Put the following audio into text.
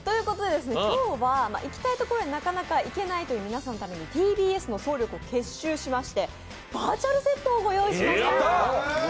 今日は行きたい所へなかなか行けないという皆さんのためにＴＢＳの総力を結集しましてバーチャルセットをご用意しました。